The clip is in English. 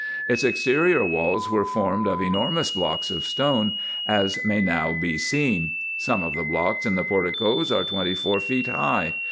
Its exterior walls were formed of enormous blocks of stone, as may now be seen. Some of the blocks in the porticoes are twenty four feet high.